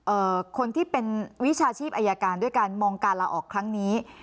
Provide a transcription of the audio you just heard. คนที่เป็นวิชาชีพอายการด้วยการมองการลาออกครั้งนี้